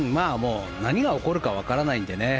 何が起こるかわからないんでね。